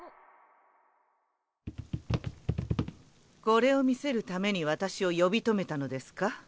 これを見せるために私を呼び止めたのですか？